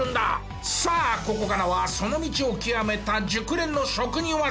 さあここからはその道を極めた熟練の職人技。